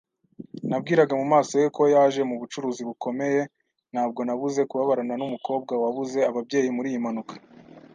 Nabwiraga mu maso he ko yaje mu bucuruzi bukomeye. Ntabwo nabuze kubabarana numukobwa wabuze ababyeyi muriyi mpanuka.